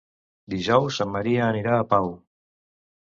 Dijous en Maria anirà a Pau.